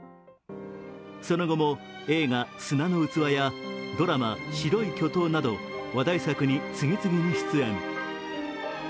その後も、映画「砂の器」やドラマ「白い巨塔」など話題作に次々に出演。